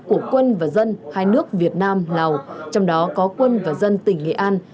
của quân và dân hai nước việt nam lào trong đó có quân và dân tỉnh nghệ an